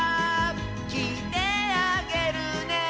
「きいてあげるね」